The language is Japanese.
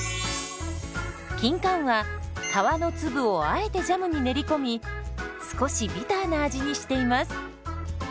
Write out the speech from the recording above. キンカンは皮の粒をあえてジャムに練り込み少しビターな味にしています。